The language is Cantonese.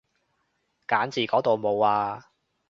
揀字嗰度冇啊